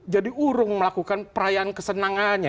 jadi urung melakukan perayaan kesenangannya